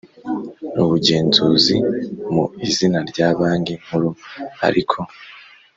ubugenzuzi mu izina rya Banki Nkuru ariko